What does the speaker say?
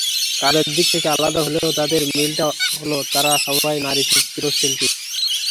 কাজের দিক থেকে আলাদা হলেও তাঁদের মিলটা হলো, তাঁরা সবাই নারী চিত্রশিল্পী।